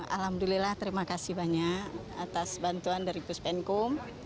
alhamdulillah terima kasih banyak atas bantuan dari puspenkum